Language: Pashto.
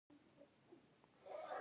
شور دی غوغه ده غوبل دی